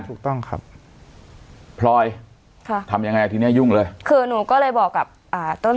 ถูกต้องครับพลอยค่ะทำยังไงทีเนี้ยยุ่งเลยคือหนูก็เลยบอกกับอ่าต้น